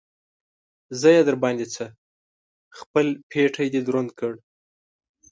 زه يې در باندې څه؟! خپل پټېی دې دروند کړ.